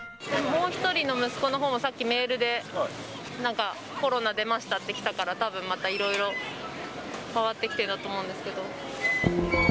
もう１人の息子のほうも、さっき、メールでなんか、コロナ出ましたって来たから、たぶんまたいろいろ変わってきてるんだと思うんですけど。